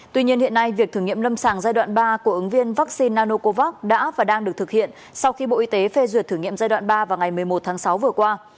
tuy nhiên hiện nay việc thử nghiệm lâm sàng giai đoạn ba của ứng viên vaccine nanocovax đã và đang được thực hiện sau khi bộ y tế phê duyệt thử nghiệm giai đoạn ba vào ngày một mươi một tháng sáu vừa qua